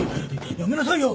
やめなさいよ！